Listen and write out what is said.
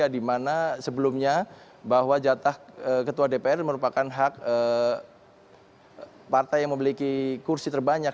di mana sebelumnya bahwa jatah ketua dpr merupakan hak partai yang memiliki kursi terbanyak